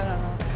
aduh gak mau